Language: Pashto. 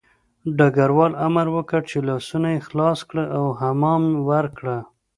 ډګروال امر وکړ چې لاسونه یې خلاص کړه او حمام ورکړه